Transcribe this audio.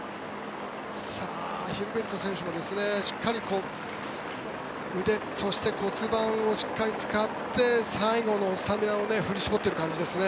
ヒルベルト選手もしっかり腕、そして骨盤をしっかり使って最後のスタミナを振り絞っている感じですね。